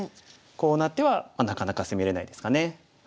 こうなってはなかなか攻めれないですかね。